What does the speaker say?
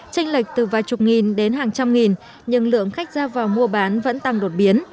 tranh lệch từ vài chục nghìn đến hàng trăm nghìn nhưng lượng khách ra vào mua bán vẫn tăng đột biến